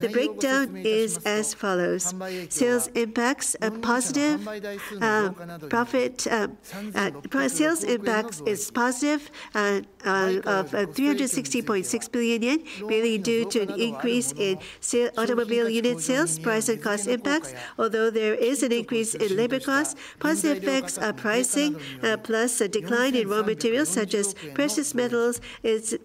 The breakdown is as follows: sales impacts, a positive profit, sales impacts is positive, and of 360.6 billion yen, mainly due to an increase in automobile unit sales. Price and cost impacts, although there is an increase in labor cost, positive effects are pricing plus a decline in raw materials, such as precious metals,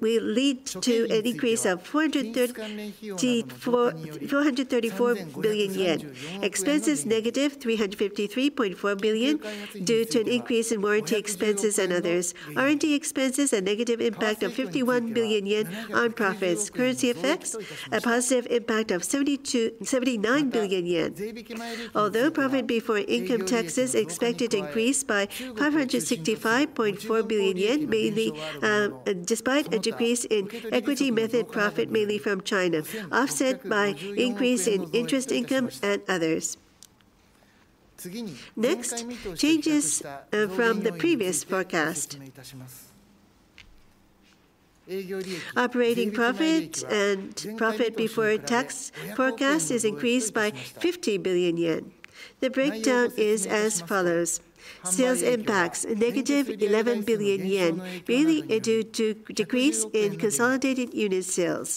will lead to an increase of 434 billion yen. Expenses, negative 353.4 billion, due to an increase in warranty expenses and others. R&D expenses, a negative impact of 51 billion yen on profits. Currency effects, a positive impact of 79 billion yen. Although profit before income taxes expected increase by 565.4 billion yen, mainly, despite a decrease in equity method profit, mainly from China, offset by increase in interest income and others. Next, changes from the previous forecast. Operating profit and profit before tax forecast is increased by 50 billion yen. The breakdown is as follows: sales impacts, -11 billion yen, mainly due to decrease in consolidated unit sales.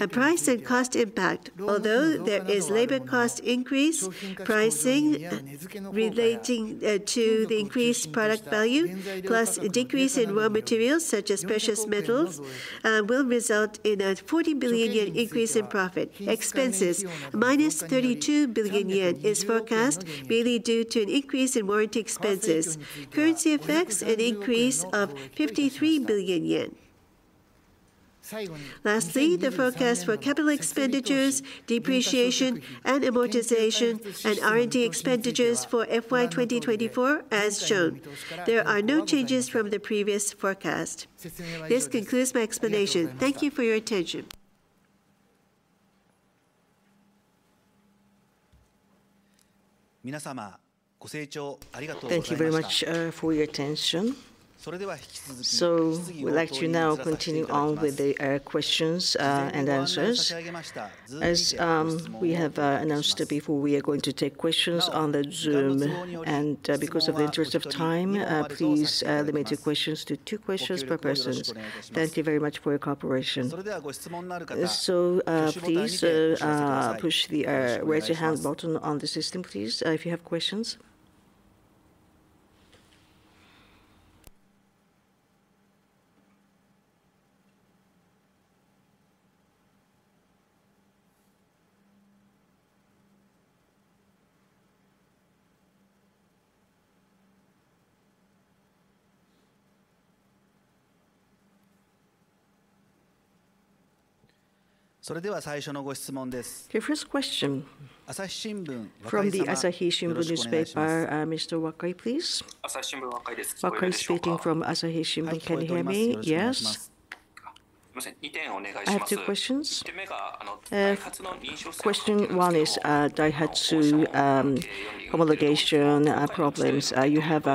A price and cost impact, although there is labor cost increase, pricing relating to the increased product value, plus a decrease in raw materials such as precious metals, will result in a 40 billion yen increase in profit. Expenses, -32 billion yen is forecast, mainly due to an increase in warranty expenses. Currency effects, an increase of 53 billion yen. Lastly, the forecast for capital expenditures, depreciation, and amortization, and R&D expenditures for FY 2024 as shown. There are no changes from the previous forecast. This concludes my explanation. Thank you for your attention. Thank you very much for your attention. So we'd like to now continue on with the questions and answers. As we have announced before, we are going to take questions on the Zoom. And because of the interest of time, please limit your questions to two questions per person. Thank you very much for your cooperation. So please push the Raise Your Hand button on the system, please, if you have questions. The first question, from the Asahi Shimbun Newspaper, Mr. Wakai, please. Wakai speaking from Asahi Shimbun. Can you hear me? Yes. I have two questions. Question one is, Daihatsu homologation problems. You have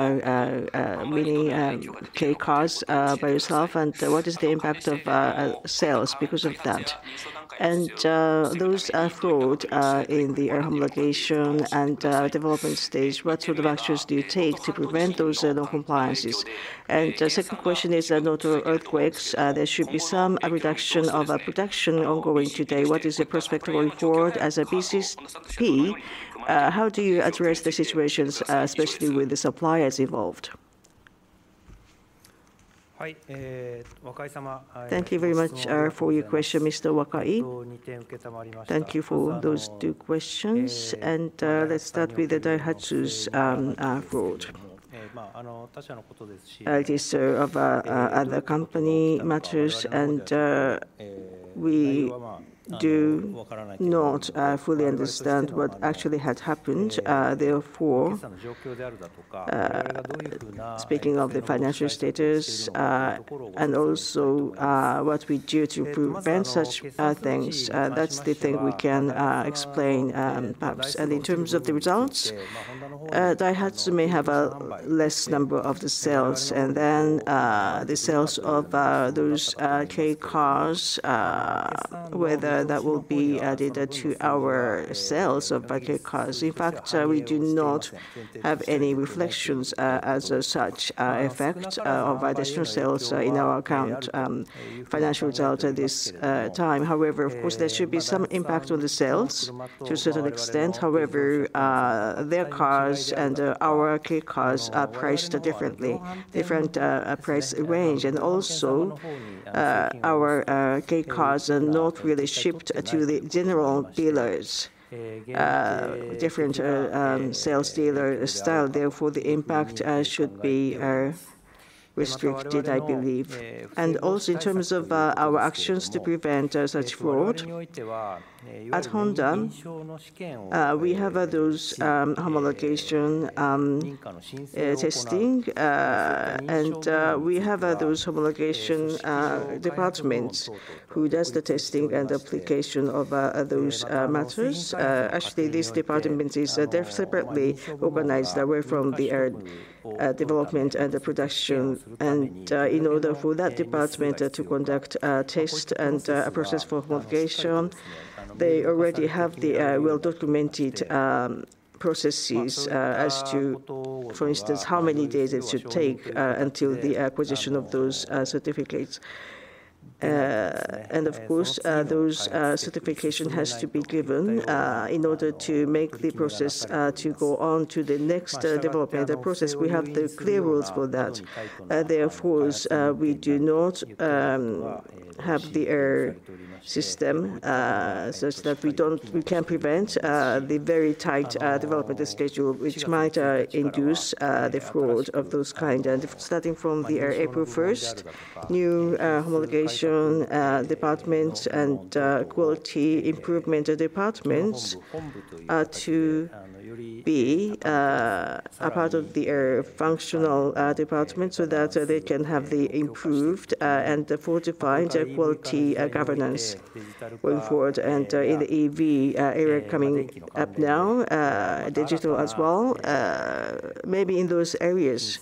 many Kei cars by yourself, and what is the impact of sales because of that? Those fraud in the homologation and development stage, what sort of actions do you take to prevent those non-compliances? And the second question is on Noto earthquakes. There should be some reduction of production ongoing today. What is the prospects going forward as a BCP? How do you address the situations, especially with the suppliers involved? Thank you very much for your question, Mr. Wakai. Thank you for those two questions, and let's start with the Daihatsu's fraud. It is of other company matters, and we do not fully understand what actually had happened. Therefore, speaking of the financial status and also what we do to prevent such things, that's the thing we can explain, perhaps. In terms of the results, Daihatsu may have a less number of the sales, and then the sales of those kei cars whether that will be added to our sales of kei cars. In fact, we do not have any reflections as a such effect of additional sales in our account financial result at this time. However, of course, there should be some impact on the sales to a certain extent. However, their cars and our Kei cars are priced differently, different price range. And also, our Kei cars are not really shipped to the general dealers. Different sales dealer style, therefore, the impact should be restricted, I believe. And also, in terms of our actions to prevent such fraud, at Honda, we have those homologation testing. And we have those homologation departments who does the testing and application of those matters. Actually, these departments is, they're separately organized away from the development and the production. In order for that department to conduct tests and a process for homologation, they already have the well-documented processes as to, for instance, how many days it should take until the acquisition of those certificates.... and of course, those certification has to be given, in order to make the process, to go on to the next, development process. We have the clear rules for that. Therefore, we do not have the R&D system, such that we don't-- we can prevent, the very tight, development schedule, which might, induce, the fraud of those kind. And starting from the April first, new, homologation, department and, quality improvement departments, to be, a part of the R&D functional, department, so that they can have the improved, and fortified quality, governance going forward. In the EV era coming up now, digital as well, maybe in those areas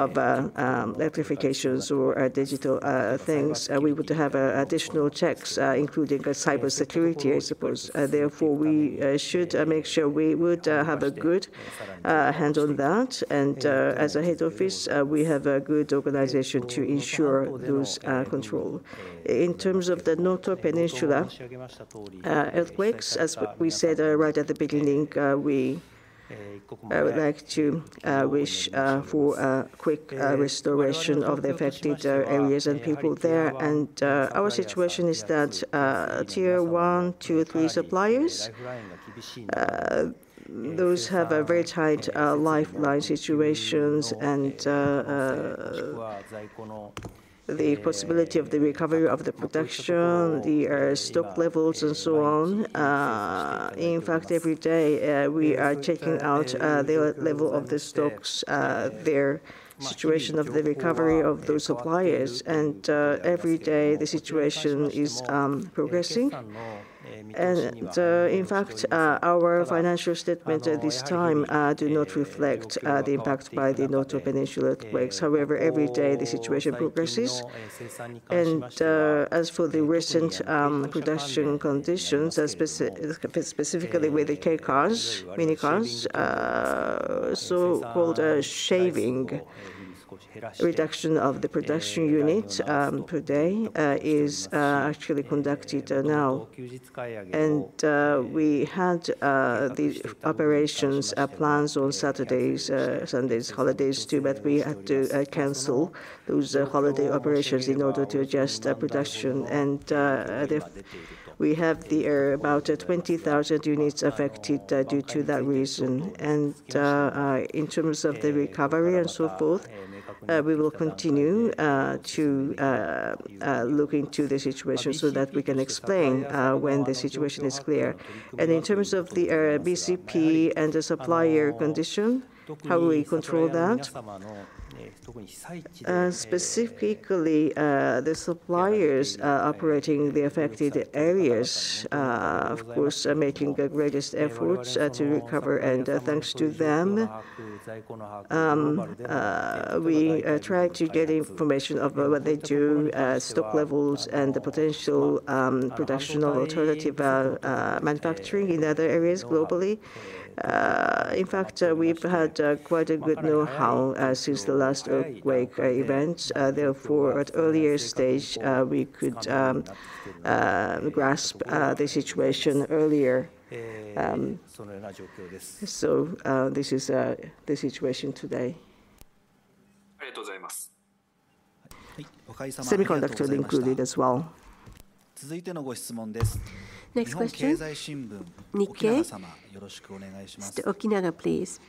of electrifications or digital things, we would have additional checks, including the cybersecurity, I suppose. Therefore, we should make sure we would have a good hand on that. And, as a head office, we have a good organization to ensure those control. In terms of the Noto Peninsula earthquakes, as we said right at the beginning, we would like to wish for a quick restoration of the affected areas and people there. Our situation is that tier one, two, three suppliers those have a very tight lifeline situations and the possibility of the recovery of the production, the stock levels and so on. In fact, every day we are checking out the level of the stocks, their situation of the recovery of those suppliers. Every day, the situation is progressing. In fact, our financial statement at this time do not reflect the impact by the Noto Peninsula earthquakes. However, every day the situation progresses. As for the recent production conditions, specifically with the kei cars, mini cars, so-called shaving, reduction of the production unit per day is actually conducted now. We had the operations plans on Saturdays, Sundays, holidays too, but we had to cancel those holiday operations in order to adjust the production. We have about 20,000 units affected due to that reason. In terms of the recovery and so forth, we will continue to look into the situation so that we can explain when the situation is clear. In terms of the BCP and the supplier condition, how we control that specifically, the suppliers are operating the affected areas, of course, are making the greatest efforts to recover. Thanks to them, we are trying to get information of what they do, stock levels and the potential production or alternative manufacturing in other areas globally. In fact, we've had quite a good know-how since the last earthquake event. Therefore, at earlier stage, we could grasp the situation earlier. So, this is the situation today... Semiconductor included as well. Next question. Nikkei. Mr. Okinaga, please.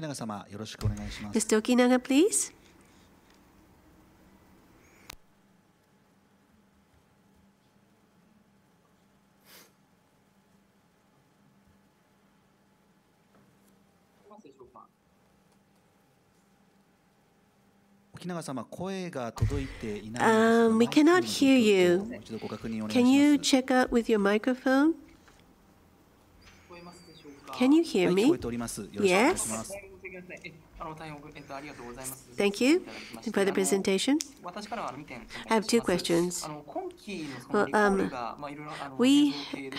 Mr. Okinaga, please. We cannot hear you. Can you check out with your microphone? Can you hear me? Yes. Thank you for the presentation. I have two questions. Well, we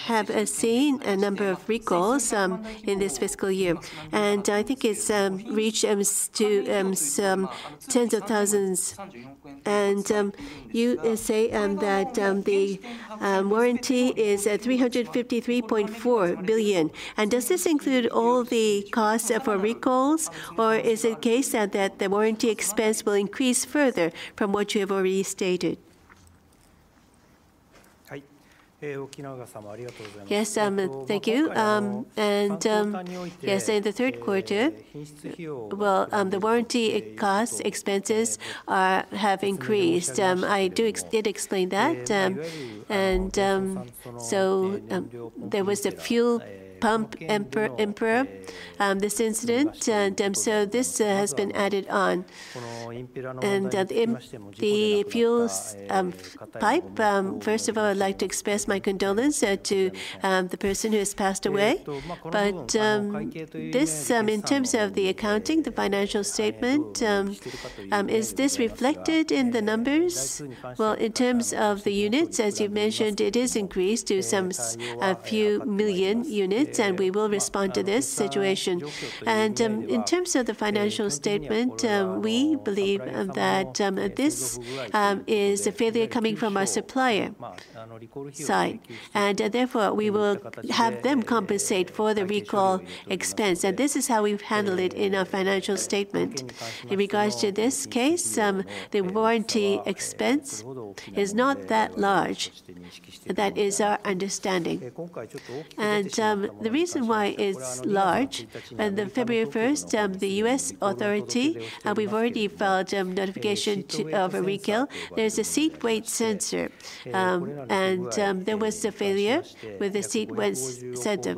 have seen a number of recalls in this fiscal year, and I think it's reached to some tens of thousands. And you say that the warranty is at 353.4 billion. And does this include all the costs for recalls, or is it the case that the warranty expense will increase further from what you have already stated? Yes, thank you. And yes, in the third quarter, well, the warranty cost expenses have increased. I did explain that. And so there was a fuel pump impairment this incident. And so this has been added on. In the fuel pipe, first of all, I'd like to express my condolence to the person who has passed away. In terms of the accounting, the financial statement, is this reflected in the numbers? Well, in terms of the units, as you've mentioned, it is increased to a few million units, and we will respond to this situation. In terms of the financial statement, we believe that this is a failure coming from our supplier side, and therefore, we will have them compensate for the recall expense. This is how we've handled it in our financial statement. In regards to this case, the warranty expense is not that large. That is our understanding. The reason why it's large, on February first, the U.S. authority, we've already filed notification to... of a recall. There's a seat weight sensor, and there was a failure where the seat was sent up.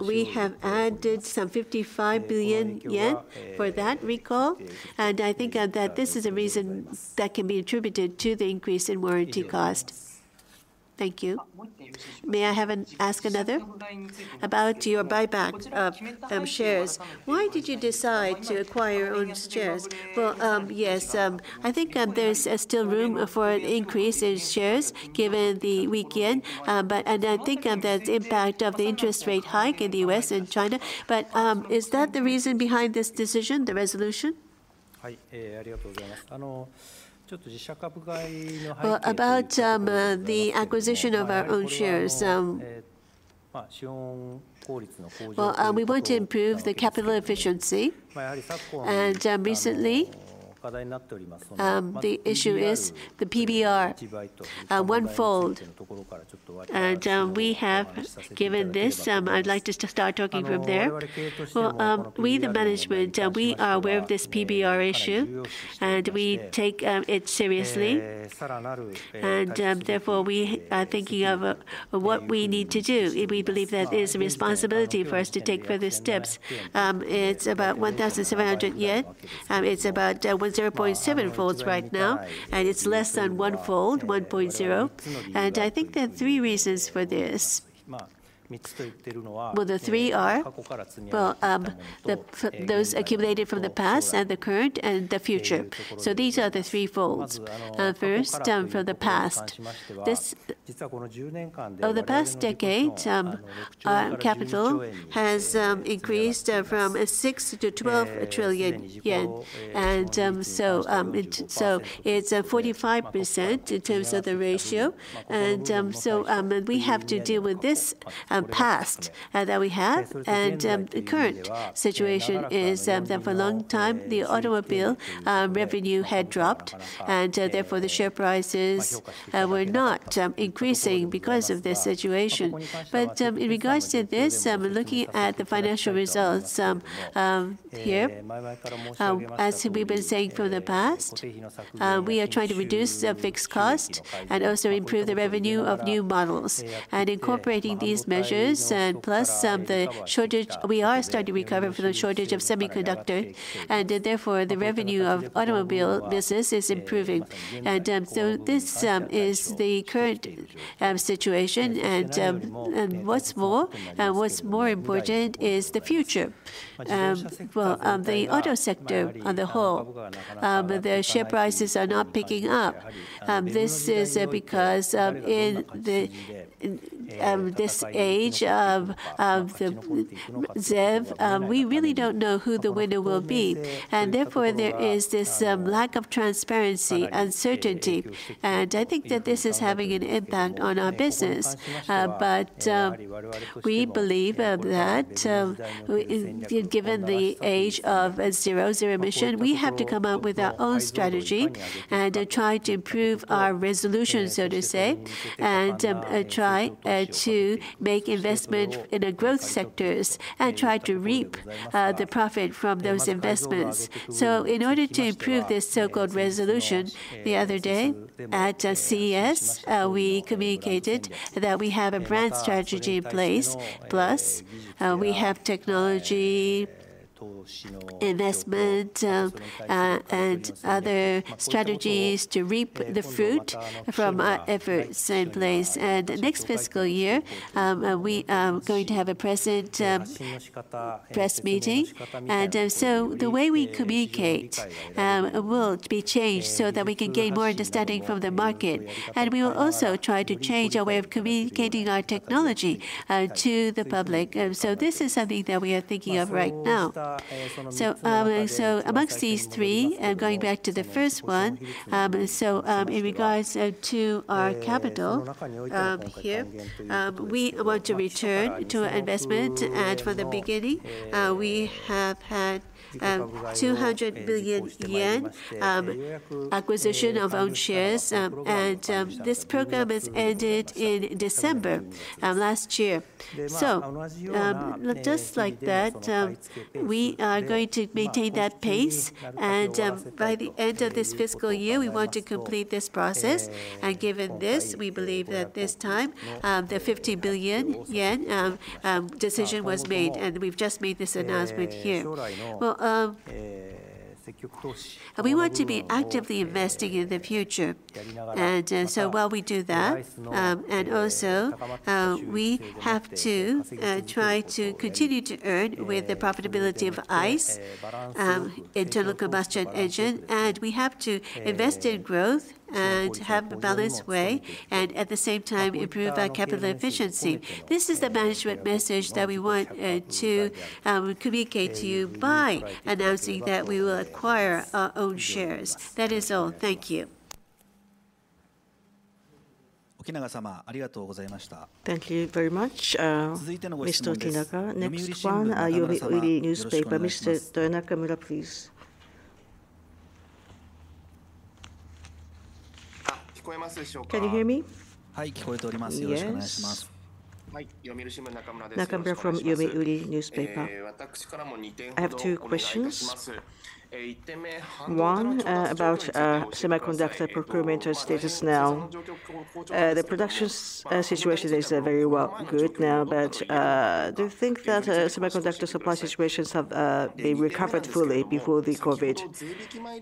We have added some 55 billion yen for that recall, and I think that this is a reason that can be attributed to the increase in warranty cost. Thank you. May I ask another? About your buyback of shares, why did you decide to acquire your own shares? Well, yes, I think there's still room for an increase in shares given the weak yen, but I think the impact of the interest rate hike in the U.S. and China. Is that the reason behind this decision, the resolution? Well, about the acquisition of our own shares. Well, we want to improve the capital efficiency. Recently, the issue is the PBR 1x, and we have given this. I'd like to start talking from there. Well, we, the management, we are aware of this PBR issue, and we take it seriously. Therefore, we are thinking of what we need to do. We believe that it is a responsibility for us to take further steps. It's about 1,700 yen. It's about 1.07x right now, and it's less than 1x, 1.0, and I think there are three reasons for this. Well, the three are those accumulated from the past, and the current, and the future. So these are the threefolds. First, from the past. This, over the past decade, our capital has increased from 6 trillion to 12 trillion yen. And, so, it, so it's 45% in terms of the ratio. And, so, and we have to deal with this past that we have. And, the current situation is that for a long time, the automobile revenue had dropped, and therefore, the share prices were not increasing because of this situation. But, in regards to this, looking at the financial results here, as we've been saying from the past, we are trying to reduce the fixed cost and also improve the revenue of new models. Incorporating these measures, plus the shortage, we are starting to recover from the shortage of semiconductor, and therefore, the revenue of automobile business is improving. So this is the current situation. What's more, what's more important is the future. Well, the auto sector on the whole, the share prices are not picking up. This is because, in this age of the ZEV, we really don't know who the winner will be, and therefore, there is this lack of transparency, uncertainty, and I think that this is having an impact on our business. But we believe that given the age of zero-zero emission, we have to come up with our own strategy and try to improve our resolution, so to say, and try to make investment in the growth sectors and try to reap the profit from those investments. So in order to improve this so-called resolution, the other day, at CES, we communicated that we have a brand strategy in place, plus we have technology investment and other strategies to reap the fruit from our efforts in place. And next fiscal year, we are going to have a president press meeting. So the way we communicate will be changed so that we can gain more understanding from the market, and we will also try to change our way of communicating our technology to the public. So this is something that we are thinking of right now. So amongst these three, going back to the first one, so in regards to our capital, here, we want to return to our investment. From the beginning, we have had 200 billion yen acquisition of own shares, and this program has ended in December last year. So just like that, we are going to maintain that pace, and by the end of this fiscal year, we want to complete this process. And given this, we believe that this time, the 50 billion yen decision was made, and we've just made this announcement here. Well,... We want to be actively investing in the future. So while we do that, and also, we have to try to continue to earn with the profitability of ICE, internal combustion engine, and we have to invest in growth and have a balanced way, and at the same time, improve our capital efficiency. This is the management message that we want to communicate to you by announcing that we will acquire our own shares. That is all. Thank you. Thank you very much, Mr. Okinaga. Next one, Yomiuri Newspaper, Mr. Nakamura, please. Can you hear me? Yes. Nakamura from Yomiuri Shimbun. I have two questions. One, about semiconductor procurement status now. The production situation is very well, good now, but do you think that semiconductor supply situations have been recovered fully before the COVID?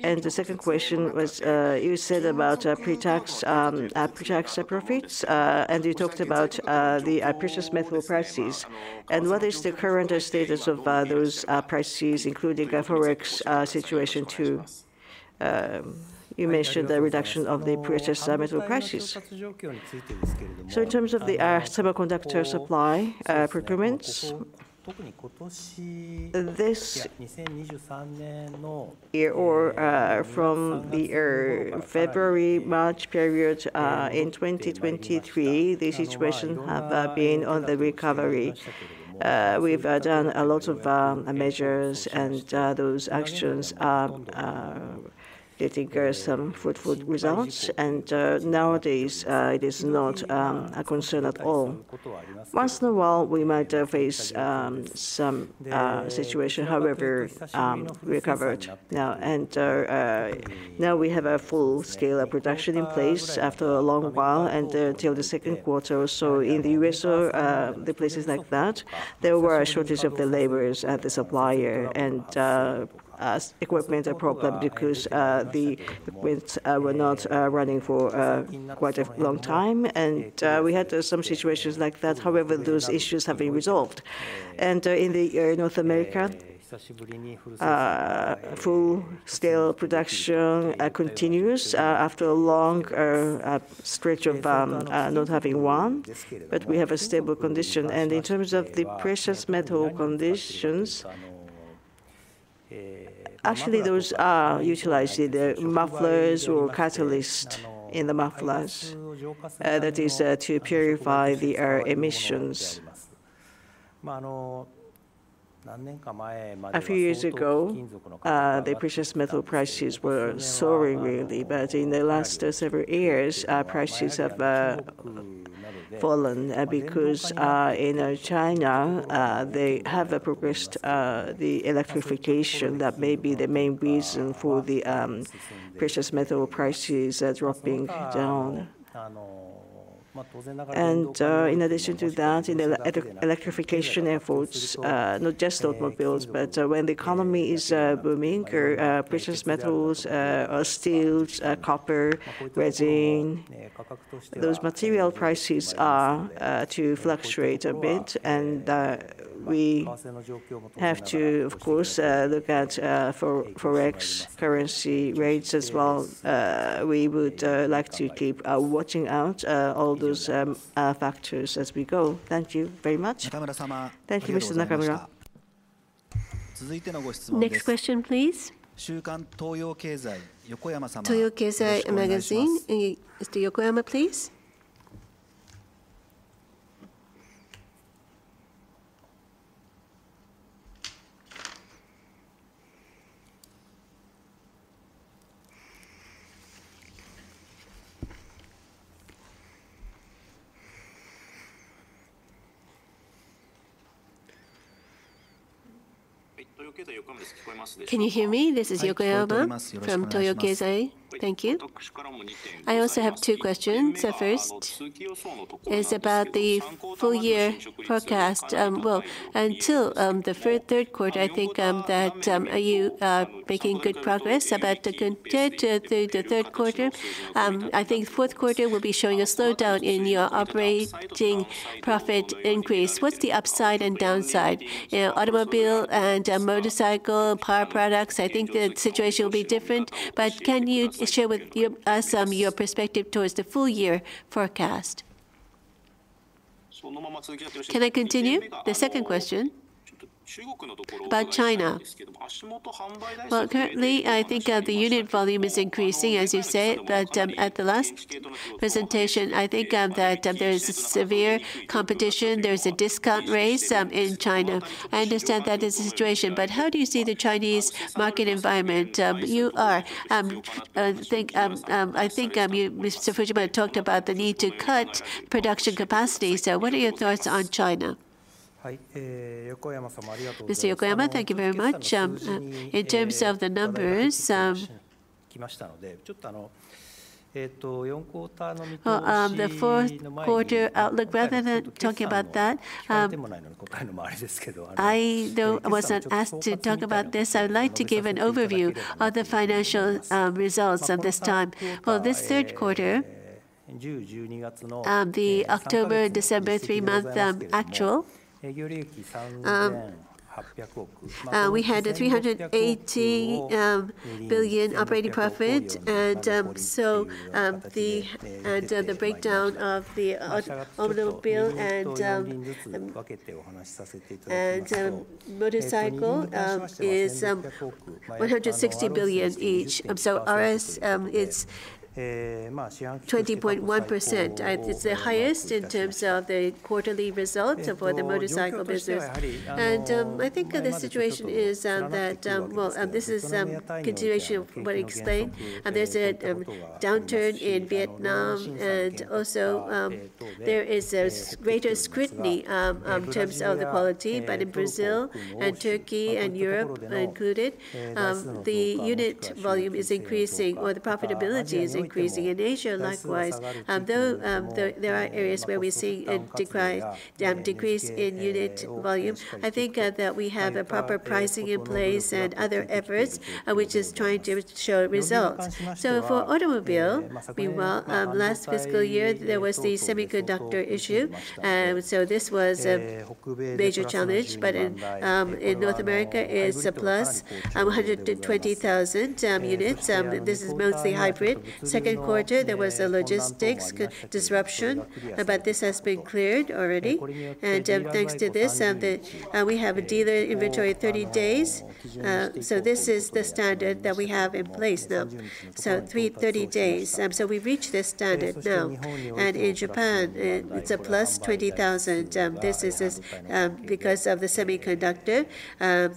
And the second question was, you said about pre-tax pre-tax profits, and you talked about the precious metal prices. And what is the current status of those prices, including a Forex situation, too? You mentioned the reduction of the precious metal prices. So in terms of the semiconductor supply procurements, this year or from the February/March period in 2023, the situation have been on the recovery. We've done a lot of measures, and those actions are getting some fruitful results. Nowadays, it is not a concern at all. Once in a while, we might face some situation, however, recovered now. Now we have a full scale of production in place after a long while, and till the second quarter or so. In the U.S. or the places like that, there were a shortage of the laborers at the supplier and equipment problem because the winds were not running for quite a long time. We had some situations like that. However, those issues have been resolved. In North America, full scale production continues after a long stretch of not having one, but we have a stable condition. In terms of the precious metal conditions, actually, those are utilized in the mufflers or catalyst in the mufflers, that is, to purify the air emissions. A few years ago, the precious metal prices were soaring, really, but in the last several years, prices have fallen because in China they have progressed the electrification. That may be the main reason for the precious metal prices dropping down. In addition to that, in the electrification efforts, not just automobiles, but when the economy is booming, precious metals, steels, copper, resin, those material prices are to fluctuate a bit. We have to, of course, look at for Forex currency rates as well. We would like to keep watching out all those factors as we go. Thank you very much. Thank you, Mr. Nakamura. Next question, please. Toyo Keizai magazine, Mr. Yokoyama, please. Can you hear me? This is Yokoyama from Toyo Keizai. Thank you. I also have two questions. The first is about the full year forecast. Until the third quarter, I think that you are making good progress, but compared to the third quarter, I think fourth quarter will be showing a slowdown in your operating profit increase. What's the upside and downside? In automobile and motorcycle and power products, I think the situation will be different, but can you share with us your perspective towards the full year forecast? Can I continue? The second question, about China. Currently, I think the unit volume is increasing, as you say, but at the last presentation, I think that there is severe competition. There is a discount race in China. I understand that is the situation, but how do you see the Chinese market environment? I think you, Mr. Fujimura, talked about the need to cut production capacity. So what are your thoughts on China? Mr. Yokoyama, thank you very much. In terms of the numbers, well, the fourth quarter outlook, rather than talking about that, I thought I wasn't asked to talk about this, I would like to give an overview of the financial results of this time. For this third quarter, the October-December three-month actual, we had 380 billion operating profit. And so, the breakdown of the automobile and motorcycle is 160 billion each. And so ROS is 20.1%. It's the highest in terms of the quarterly results for the motorcycle business. And I think the situation is that, well, this is continuation of what I explained. There's a downturn in Vietnam, and also, there is a greater scrutiny in terms of the quality. But in Brazil and Turkey and Europe are included, the unit volume is increasing or the profitability is increasing. In Asia, likewise, though, there are areas where we see a decline, decrease in unit volume, I think, that we have a proper pricing in place and other efforts, which is trying to show results. So for automobile, meanwhile, last fiscal year, there was the semiconductor issue, and so this was a major challenge. But in North America, it's a plus 120,000 units, this is mostly hybrid. Second quarter, there was a logistics disruption, but this has been cleared already. Thanks to this, we have a dealer inventory of 30 days, so this is the standard that we have in place now. So 30 days, so we've reached this standard now. And in Japan, it's +20,000, this is because of the semiconductor,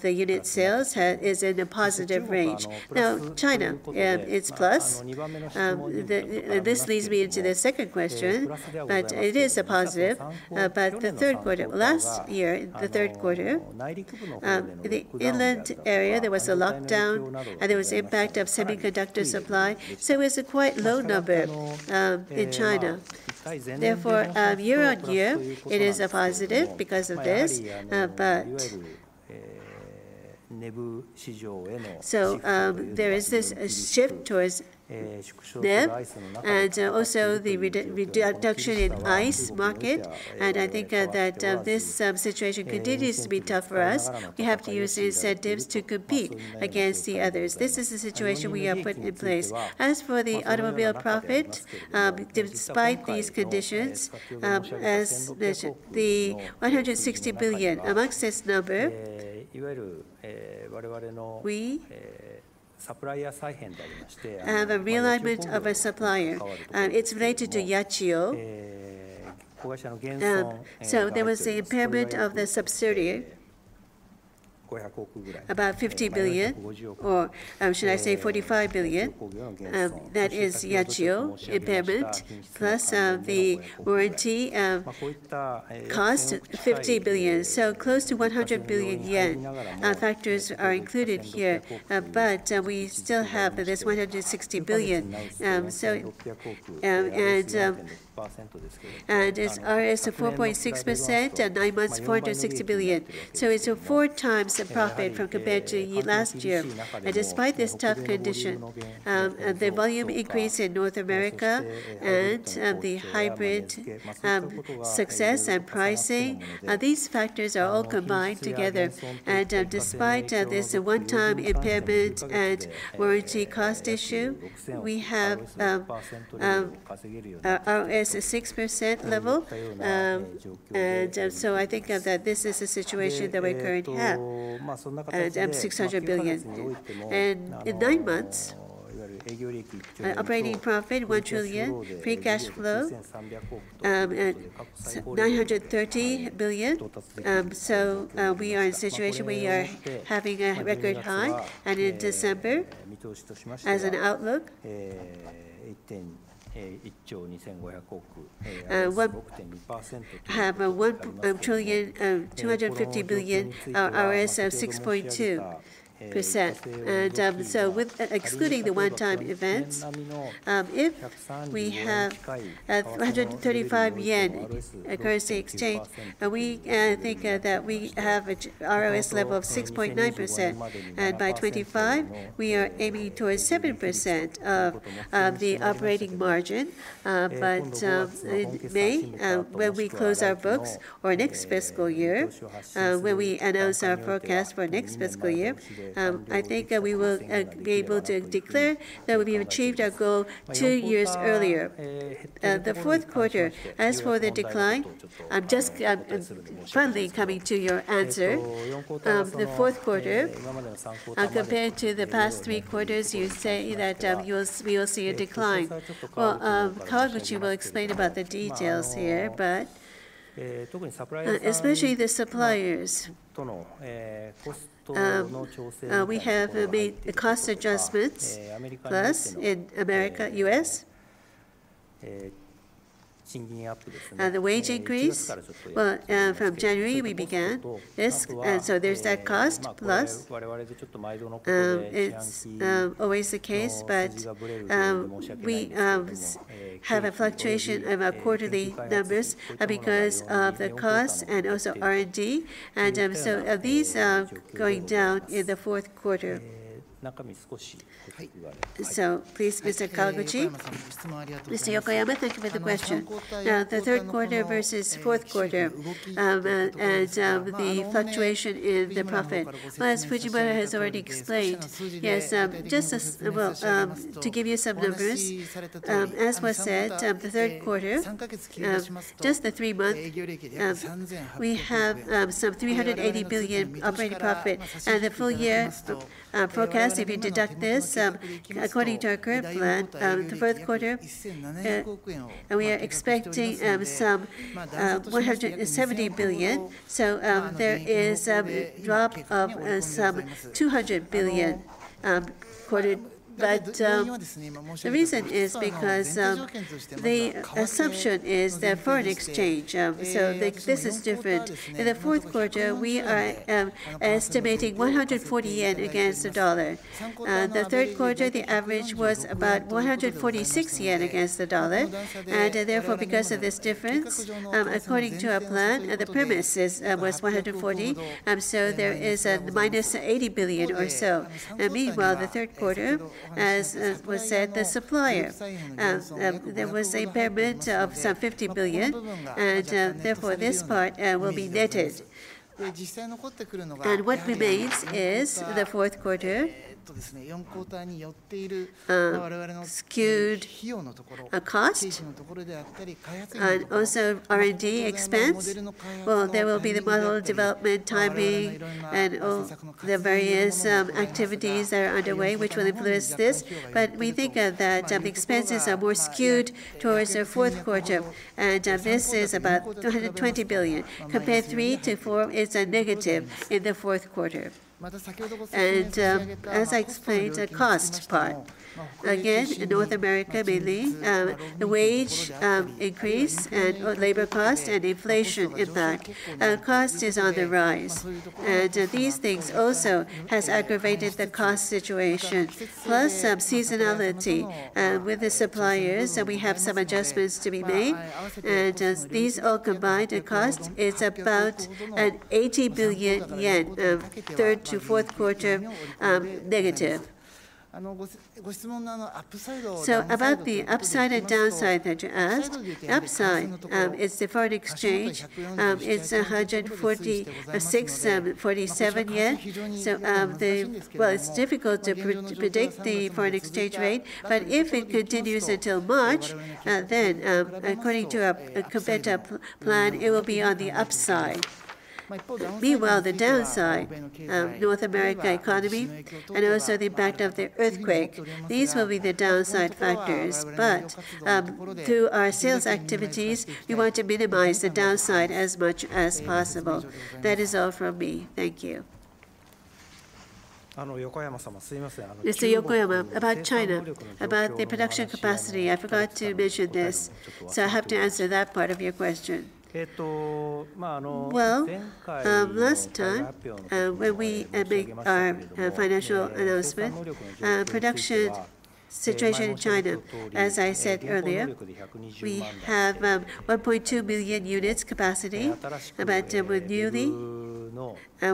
the unit sales is in a positive range. Now, China, it's plus. This leads me into the second question, but it is a positive. But the third quarter last year, the inland area, there was a lockdown, and there was impact of semiconductor supply, so it's a quite low number in China. Therefore, year-over-year, it is a positive because of this, but... So, there is this shift towards NEV, and also the reduction in ICE market, and I think that this situation continues to be tough for us. We have to use the incentives to compete against the others. This is the situation we are putting in place. As for the automobile profit, despite these conditions, as mentioned, the 160 billion, amongst this number, we have a realignment of our supplier, and it's related to Yachiyo. So there was the impairment of the subsidiary, about 50 billion, or should I say 45 billion, that is Yachiyo impairment, plus the warranty of cost, 50 billion. So close to 100 billion yen, factors are included here, but we still have this 160 billion. As RS is 4.6% and nine months, 460 billion. So it's 4 times the profit compared to last year. And despite this tough condition, the volume increase in North America and the hybrid success and pricing, these factors are all combined together. And despite this one-time impairment and warranty cost issue, we have a RS at 6% level. And so I think that this is the situation that we currently have, at 600 billion. And in nine months, operating profit, 1 trillion, free cash flow at 930 billion. So we are in a situation where we are having a record high. And in December, as an outlook, one... have a JPY 1.25 trillion RS of 6.2%. And so with excluding the one-time events, if we have 135 yen currency exchange, and we think that we have a RS level of 6.9%, and by 2025, we are aiming towards 7% of the operating margin. But in May, when we close our books for next fiscal year, when we announce our forecast for next fiscal year, I think that we will be able to declare that we've achieved our goal two years earlier. The fourth quarter, as for the decline, I'm just finally coming to your answer. The fourth quarter, compared to the past three quarters, you say that we will see a decline. Well, Kawaguchi will explain about the details here, but especially the suppliers, we have made cost adjustments, plus in America, U.S.... The wage increase, well, from January, we began this, and so there's that cost. Plus, it's always the case, but we have a fluctuation of our quarterly numbers because of the costs and also R&D. And so these are going down in the fourth quarter. So please, Mr. Kawaguchi. Mr. Yokoyama, thank you for the question. The third quarter versus fourth quarter, and the fluctuation in the profit. Well, as Fujimura has already explained, yes, just as... Well, to give you some numbers, as was said, the third quarter, just the three month, we have some 380 billion operating profit. And the full year forecast, if you deduct this, according to our current plan, the fourth quarter, we are expecting some 170 billion. So, there is a drop of some 200 billion quarter. But, the reason is because the assumption is the foreign exchange, so this is different. In the fourth quarter, we are estimating 140 yen against the dollar. The third quarter, the average was about 146 yen against the dollar. And therefore, because of this difference, according to our plan, the premise is was 140. So there is -80 billion or so. And meanwhile, the third quarter, as was said, the supplier there was an impairment of some 50 billion, and therefore, this part will be netted. And what remains is the fourth quarter skewed a cost and also R&D expense. Well, there will be the model development timing and all the various activities that are underway, which will influence this. But we think that expenses are more skewed towards the fourth quarter, and this is about 220 billion. Compare three to four, it's a negative in the fourth quarter. And as I explained, the cost part. Again, in North America, mainly, the wage increase and or labor cost and inflation impact cost is on the rise. These things also has aggravated the cost situation, plus some seasonality with the suppliers, so we have some adjustments to be made. These all combined, the cost is about 80 billion yen of third-to-fourth quarter, negative. So about the upside and downside that you asked, upside is the foreign exchange. It's 146-147 yen. So the... Well, it's difficult to predict the foreign exchange rate, but if it continues until March, then according to our compared to our plan, it will be on the upside. Meanwhile, the downside, North America economy and also the impact of the earthquake, these will be the downside factors. But through our sales activities, we want to minimize the downside as much as possible. That is all from me. Thank you. Mr. Yokoyama, about China, about the production capacity, I forgot to mention this, so I have to answer that part of your question. Well, last time, when we make our financial announcement, production situation in China, as I said earlier, we have 1.2 billion units capacity, but with newly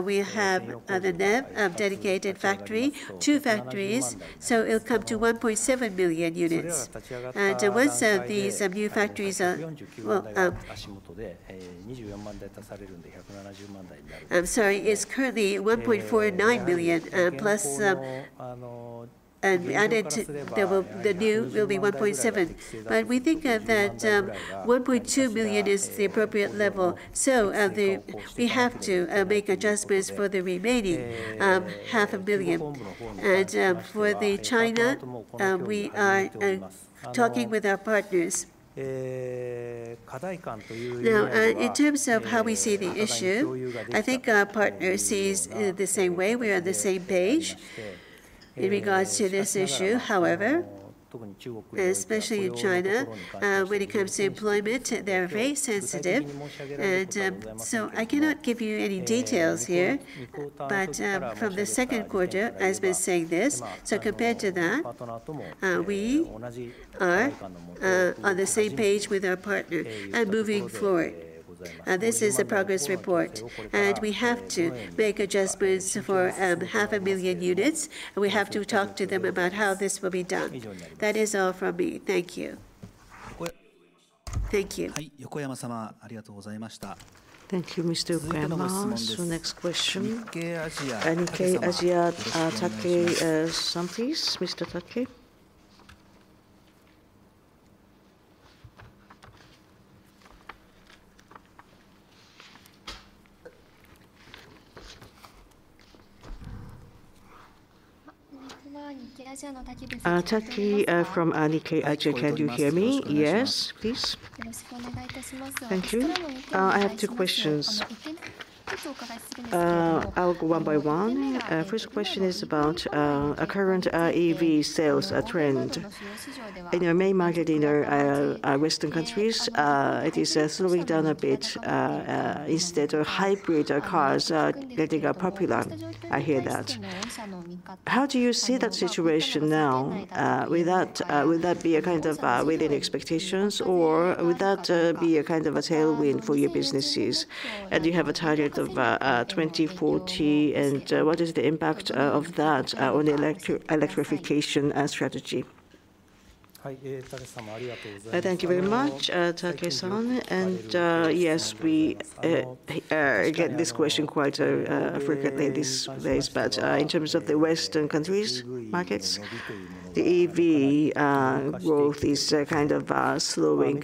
we have the new dedicated factory, two factories, so it'll come to 1.7 billion units. And once these new factories are, well... I'm sorry, it's currently 1.49 billion, plus added to there will-- the new will be 1.7. But we think that 1.2 billion is the appropriate level, so the we have to make adjustments for the remaining 0.5 billion. For China, we are talking with our partners. Now, in terms of how we see the issue, I think our partner sees it the same way. We are on the same page in regards to this issue. However, especially in China, when it comes to employment, they're very sensitive, and so I cannot give you any details here. But, from the second quarter, I've been saying this, so compared to that, we are on the same page with our partner and moving forward. This is a progress report, and we have to make adjustments for 500,000 units, and we have to talk to them about how this will be done. That is all from me. Thank you. Thank you. Thank you, Mr. Yokoyama. So next question, Nikkei Asia, Taki San please. Mr. Taki? Taki from Nikkei Asia. Can you hear me? Yes, please. Thank you. I have two questions. ... I'll go one by one. First question is about current EV sales trend. In our main market, in our Western countries, it is slowing down a bit. Instead of hybrid cars are getting popular, I hear that. How do you see that situation now, will that be a kind of within expectations, or would that be a kind of a tailwind for your businesses? And you have a target of 2040, and what is the impact of that on electrification strategy? Thank you very much, Taki-san. And yes, we get this question quite frequently these days. But in terms of the Western countries markets, the EV growth is kind of slowing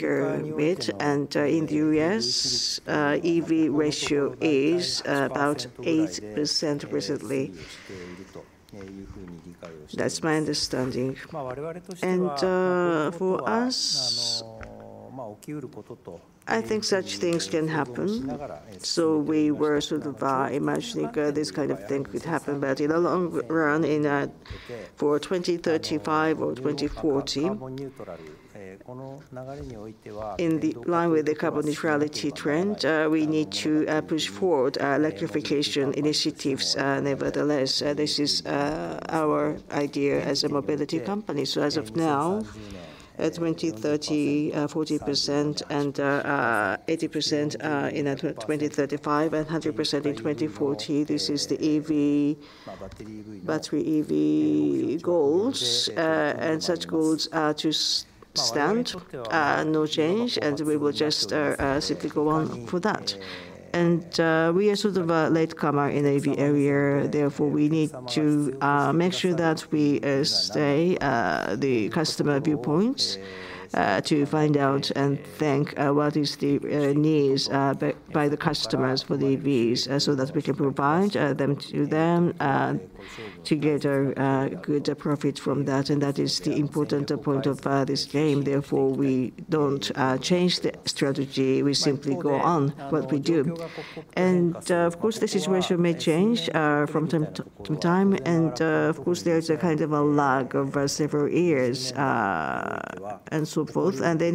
bit. In the U.S., EV ratio is about 8% recently. That's my understanding. For us, I think such things can happen, so we were sort of imagining this kind of thing could happen. But in the long run, for 2035 or 2040, in the line with the carbon neutrality trend, we need to push forward our electrification initiatives. Nevertheless, this is our idea as a mobility company. So as of now, 2030, 40%, and 80% in 2035, and 100% in 2040, this is the EV battery EV goals. And such goals are to stand no change, and we will just simply go on for that. And we are sort of a latecomer in EV area, therefore, we need to make sure that we stay the customer viewpoints to find out and think what is the needs by the customers for the EVs, so that we can provide them to them, and to get a good profit from that. And that is the important point of this game, therefore, we don't change the strategy. We simply go on what we do. And of course, the situation may change from time to time, and of course, there is a kind of a lag of several years and so forth. In the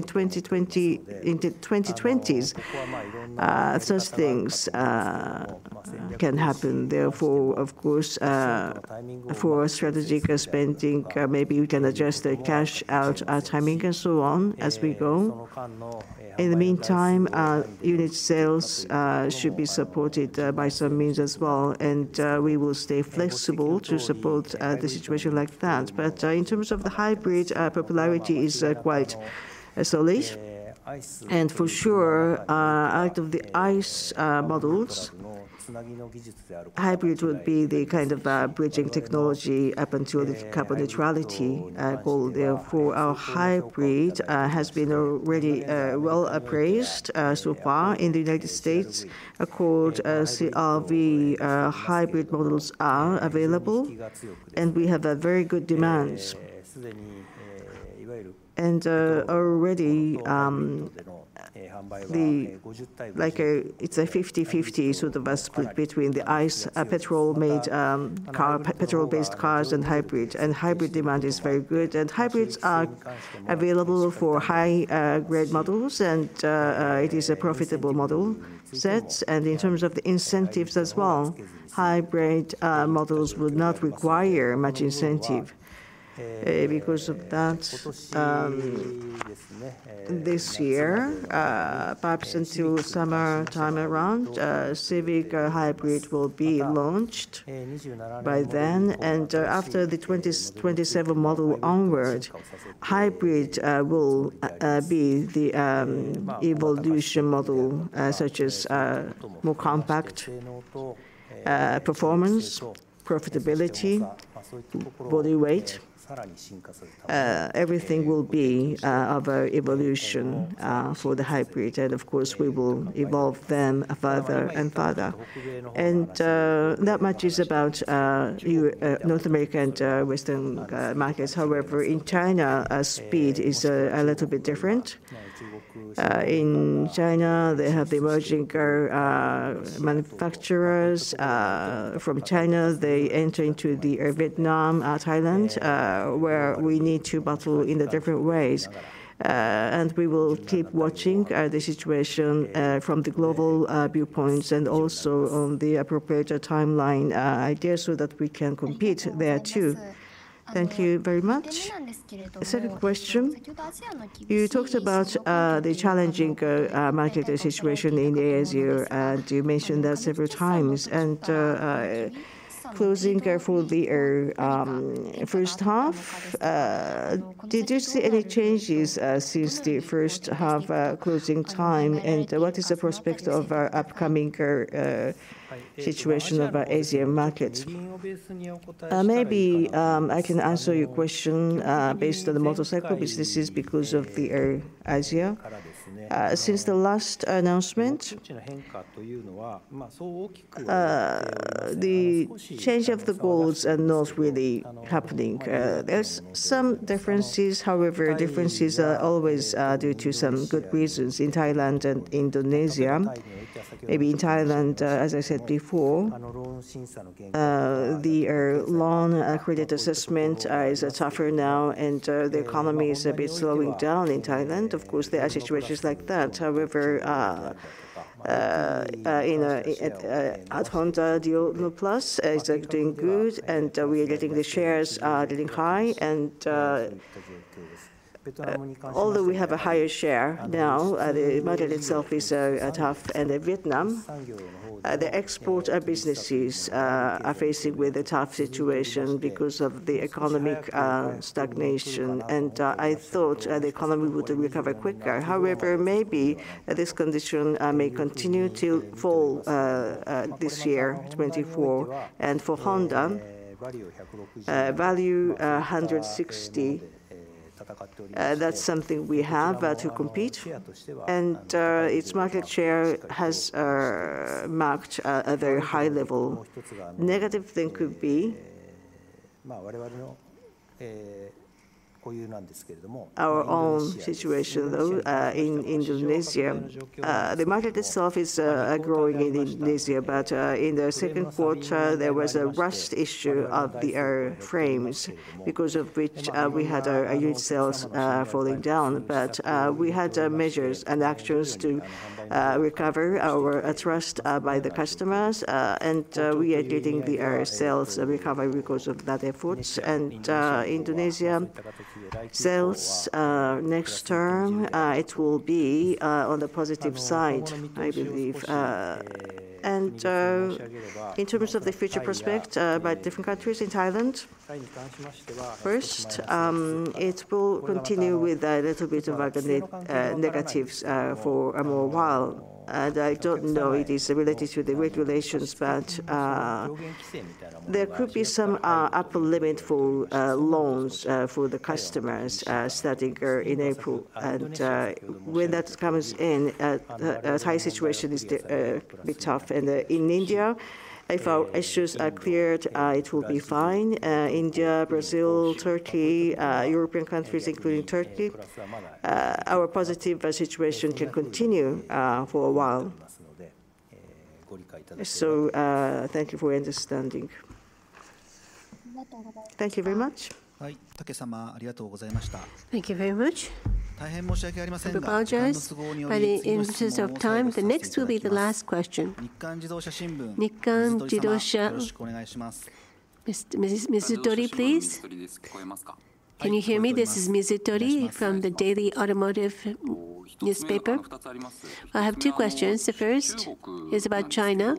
2020s, such things can happen. Therefore, of course, for strategic spending, maybe we can adjust the cash out timing, and so on, as we go. In the meantime, unit sales should be supported by some means as well, and we will stay flexible to support the situation like that. But in terms of the hybrid, popularity is quite solid. And for sure, out of the ICE models, hybrid would be the kind of bridging technology up until the Carbon Neutrality goal. Therefore, our hybrid has been already well-appraised so far in the United States. Accord, CR-V hybrid models are available, and we have a very good demands. And already, the... It's a 50/50, sort of, split between the ICE, petrol-based cars and hybrid. And hybrid demand is very good. And hybrids are available for high-grade models, and it is a profitable model sets. And in terms of the incentives as well, hybrid models would not require much incentive. Because of that, this year, perhaps until around summertime, Civic Hybrid will be launched by then. And after the 27 model onward, hybrid will be the evolution model, such as more compact performance, profitability, body weight. Everything will be of evolution for the hybrid, and of course, we will evolve them further and further. That much is about North America and Western markets. However, in China, speed is a little bit different. In China, they have the emerging car manufacturers. From China, they enter into the Vietnam, Thailand, where we need to battle in the different ways. And we will keep watching the situation from the global viewpoints and also on the appropriate timeline idea, so that we can compete there, too. Thank you very much. Second question, you talked about the challenging market situation in the Asia, and you mentioned that several times. Closing carefully our first half, did you see any changes since the first half closing time? What is the prospect of our upcoming car situation of our Asian market? Maybe I can answer your question based on the motorcycle businesses because of the Asia. Since the last announcement the change of the goals are not really happening. There's some differences, however, differences are always due to some good reasons in Thailand and Indonesia. Maybe in Thailand, as I said before, the loan credit assessment is tougher now, and the economy is a bit slowing down in Thailand. Of course, there are situations like that. However, in at Honda Giorno+ is doing good, and we are getting the shares getting high, and... Although we have a higher share now, the market itself is tough in Vietnam. The exporter businesses are facing with a tough situation because of the economic stagnation, and I thought the economy would recover quicker. However, maybe this condition may continue to fall this year, 2024. And for Honda Vario 160, that's something we have to compete. And its market share has marked a very high level. Negative thing could be... our own situation, though, in Indonesia. The market itself is growing in Indonesia, but in the second quarter, there was a rust issue of the airframes, because of which we had our unit sales falling down. We had measures and actions to recover our trust by the customers. We are getting our sales recovery because of that effort. Indonesia sales next term it will be on the positive side, I believe. In terms of the future prospect by different countries, in Thailand first, it will continue with a little bit of the negatives for a while more. I don't know if it is related to the regulations, but there could be some upper limit for loans for the customers starting in April. When that comes in, the Thai situation is a bit tough. In India, if our issues are cleared, it will be fine. India, Brazil, Turkey, European countries, including Turkey, our positive situation can continue for a while. Thank you for understanding. Thank you very much. Thank you very much. I apologize, but in the interest of time. The next will be the last question. Nikkan Kogyo Shimbun. Mizutori, please. Can you hear me? This is Mizutori from the Daily Automotive Newspaper. I have two questions. The first is about China.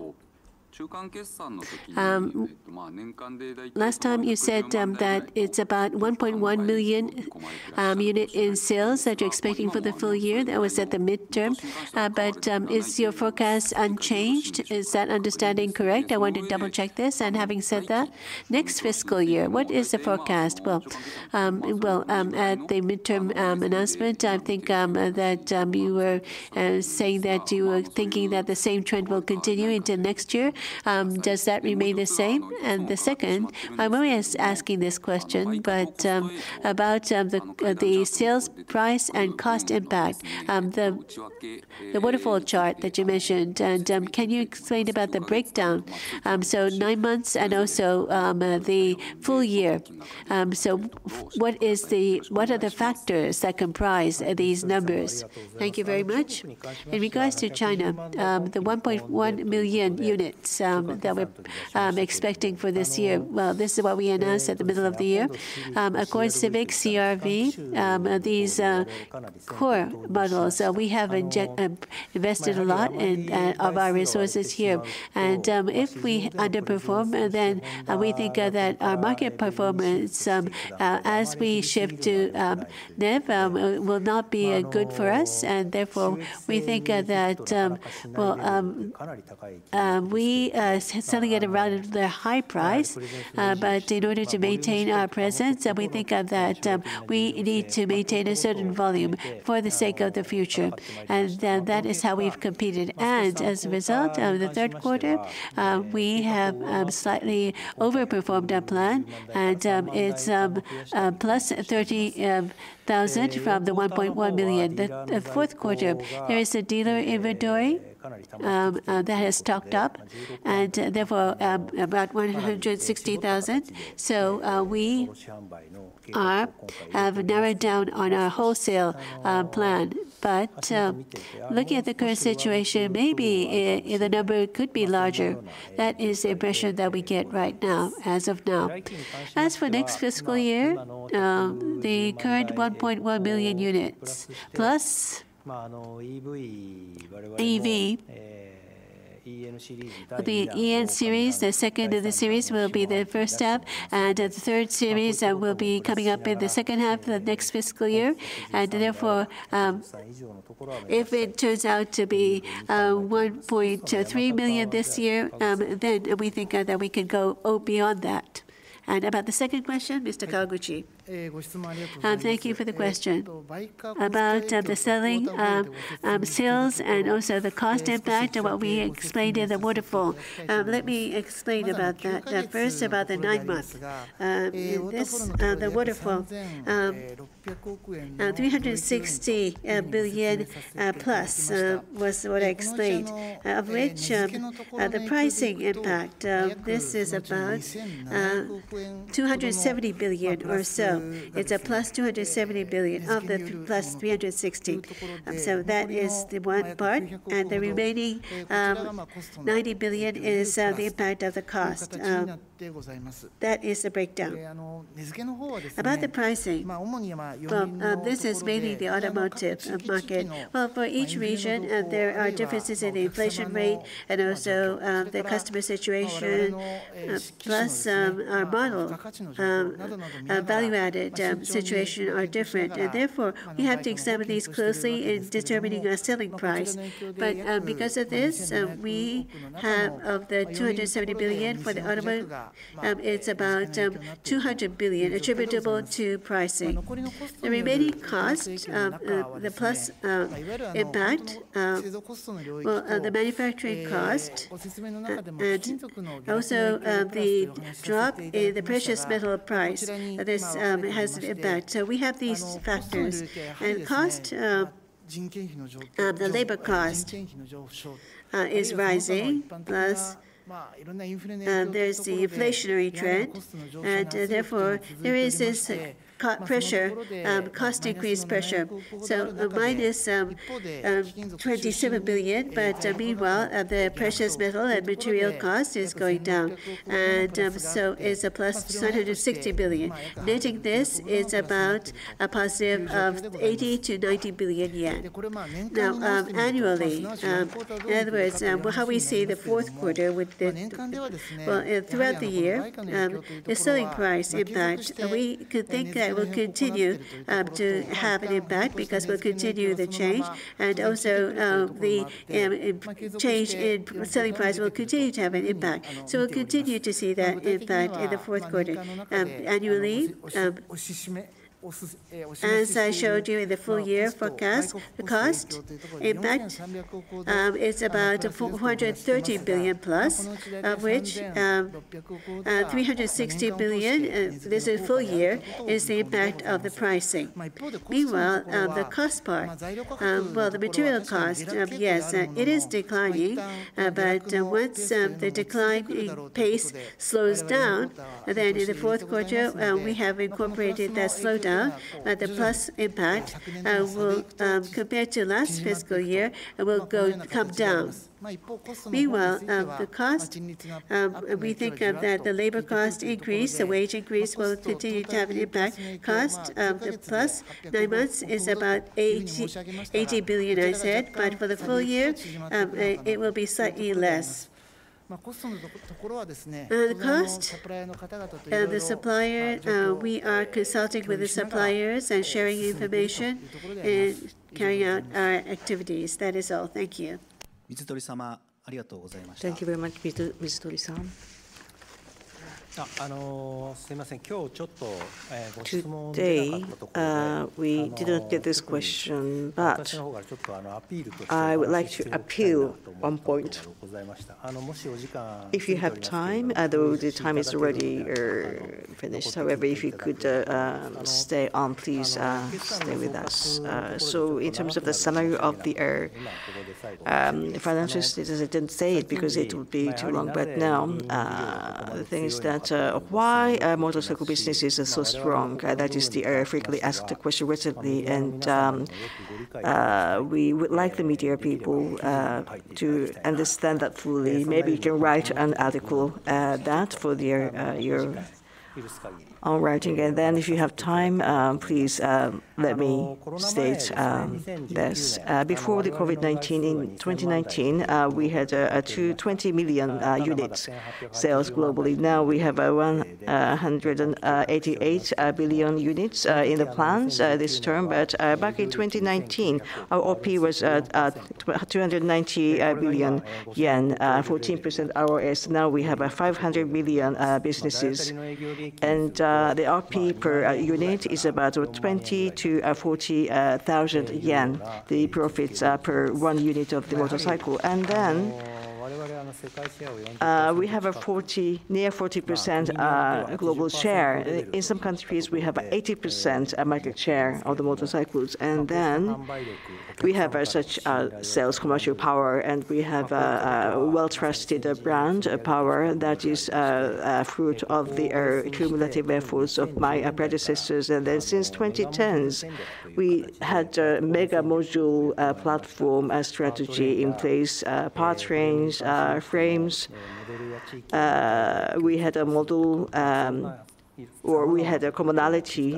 Last time you said that it's about 1.1 million unit in sales that you're expecting for the full year. That was at the midterm. But is your forecast unchanged? Is that understanding correct? I want to double-check this. And having said that, next fiscal year, what is the forecast? Well, well, at the midterm announcement, I think that you were saying that you were thinking that the same trend will continue into next year. Does that remain the same? And the second, I'm always asking this question, but about the sales price and cost impact, the waterfall chart that you mentioned, and can you explain about the breakdown? So nine months and also the full year. So what is the... What are the factors that comprise these numbers? Thank you very much. In regards to China, the 1.1 million units that we're expecting for this year, well, this is what we announced at the middle of the year. Of course, Civic, CR-V, these core models, we have invested a lot in of our resources here. And, if we underperform, then we think that our market performance, as we shift to NEV, will not be good for us, and therefore, we think that, well, we selling at a rather high price. But in order to maintain our presence, then we think that we need to maintain a certain volume for the sake of the future, and that is how we've competed. As a result of the third quarter, we have slightly overperformed our plan, and it's +30,000 from the 1.1 million. The fourth quarter, there is a dealer inventory that has stocked up, and therefore about 160,000. We have narrowed down on our wholesale plan. Looking at the current situation, maybe the number could be larger. That is the impression that we get right now, as of now. As for next fiscal year, the current 1.1 million units, plus EV will be e:N series. The second of the series will be the first half, and the third series will be coming up in the second half of the next fiscal year. Therefore, if it turns out to be 1.3 million this year, then we think that we can go beyond that. And about the second question, Mr. Kawaguchi? Thank you for the question. About the selling sales and also the cost impact are what we explained in the waterfall. Let me explain about the first about the nine months. This the waterfall 360 billion plus was what I explained of which the pricing impact of this is about JPY 270 billion or so. That is the breakdown. About the pricing, well, this is mainly the automotive market. Well, for each region, there are differences in the inflation rate and also, the customer situation, plus, our model, value-added, situation are different. And therefore, we have to examine these closely in determining our selling price. But, because of this, we have, of the 270 billion, for the automotive, it's about, 200 billion attributable to pricing. The remaining cost, the plus, impact, well, the manufacturing cost, and also, the drop in the precious metal price, this, has an impact. So we have these factors, and cost, the labor cost, is rising, cost increase pressure. So minus 27 billion, but meanwhile the precious metal and material cost is going down, and so it's a plus 160 billion. Netting this is about a positive of 80-90 billion yen. Now annually, in other words, how we see the fourth quarter. Well, throughout the year, the selling price impact, we can think that as I showed you in the full year forecast, cost impact is about 430 billion plus, of which, 360 billion, this is full year, is the impact of the pricing. Meanwhile, the cost part, well, the material cost, yes, it is declining, but once, the decline in pace slows down, then in the fourth quarter, we have incorporated that slowdown, the plus impact, will, compared to last fiscal year, will go, come down. Meanwhile, the cost, we think of that the labor cost increase, the wage increase, will continue to have an impact. Cost, the plus nine months is about 80, 80 billion, I said, but for the full year, it will be slightly less. The cost of the supplier, we are consulting with the suppliers and sharing information and carrying out our activities. That is all. Thank you. Thank you very much, Mizutori-san. Today, we did not get this question, but I would like to appeal one point. If you have time, although the time is already finished, however, if you could stay on, please, stay with us. So in terms of the summary of the financial statement, I didn't say it because it would be too long, but now the thing is that why are motorcycle businesses are so strong? That is the frequently asked question recently, and we would like the media people to understand that fully. Maybe you can write an article that for your your own writing. And then, if you have time, please, let me state this. Before the COVID-19 in 2019, we had 20 million units sales globally. Now, we have 188 billion units in the plans this term. But back in 2019, our OP was at 290 billion yen, 14% ROAS. Now we have a 500 million businesses, and the OP per unit is about JPY then we have nearly 40% global share. In some countries, we have 80% market share of the motorcycles. Then we have such sales commercial power, and we have a well-trusted brand power that is a fruit of the cumulative efforts of my predecessors. Then since the 2010s, we had a mega module platform strategy in place, power trains, or we had a commonality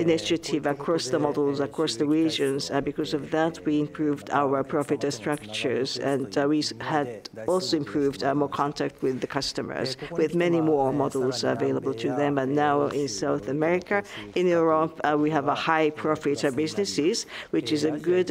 initiative across the models, across the regions, and because of that, we improved our profit structures. And we had also improved more contact with the customers, with many more models available to them. And now in South America, in Europe, we have high profit businesses, which is a good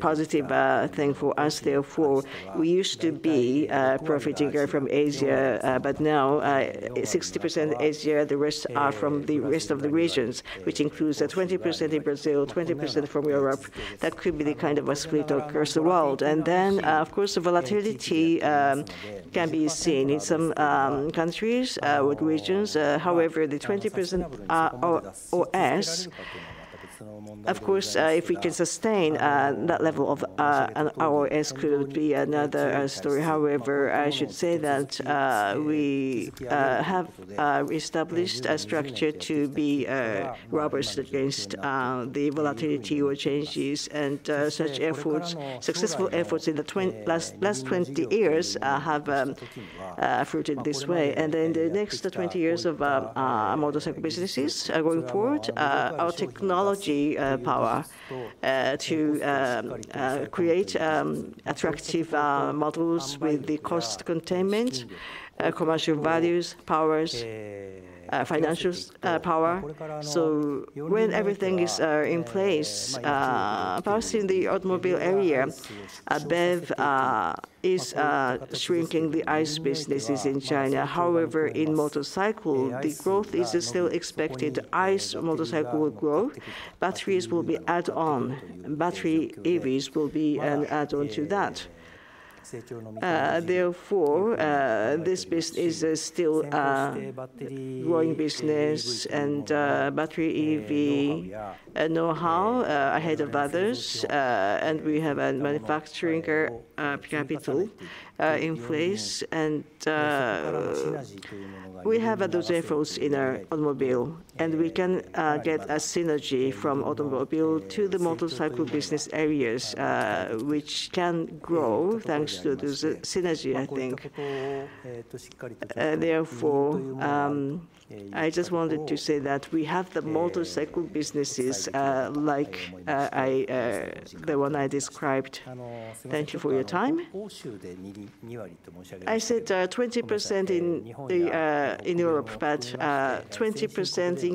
positive thing for us. Therefore, we used to be profiting here from Asia, but now, 60% Asia, the rest are from the rest of the regions, which includes, 20% in Brazil, 20% from Europe. That could be the kind of a split across the world. And then, of course, the volatility can be seen in some countries or regions. However, the 20% ROAS, of course, if we can sustain that level of ROAS could be another story. However, I should say that, we have established a structure to be robust against the volatility or changes and, such efforts, successful efforts in the last 20 years, have fruited this way. Then the next 20 years of our motorcycle businesses going forward, our technology financial power. So when everything is in place, first in the automobile area, BEV is shrinking the ICE businesses in China. However, in motorcycle, the growth is still expected. ICE motorcycle will grow, batteries will be add-on, battery EVs will be an add-on to that. Therefore, this business is still a growing business and battery EV know-how ahead of others, and we have a manufacturing capital in place. And, we have other efforts in our automobile, and we can get a synergy from automobile to the motorcycle business areas, which can grow thanks to the synergy, I think. Therefore, I just wanted to say that we have the motorcycle businesses, like, I, the one I described. Thank you for your time. I said, 20% in the, in Europe, but, 20%,